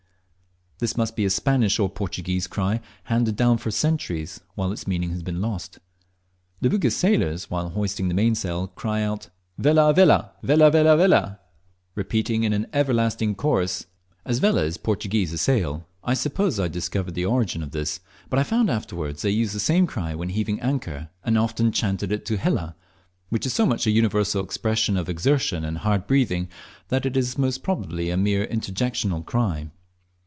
This must be a Spanish or Portuguese cry, handed down for centuries, while its meaning has been lost. The Bugis sailors, while hoisting the main sail, cry out, "Vela a vela, vela, vela, vela!" repeated in an everlasting chorus. As "vela" is Portuguese a sail, I supposed I had discovered the origin of this, but I found afterwards they used the same cry when heaving anchor, and often chanted it to "hela," which is so much an universal expression of exertion and hard breathing that it is most probably a mere interjectional cry.